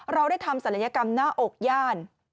เราได้ทำศัลยกรรมหน้าอกย่าน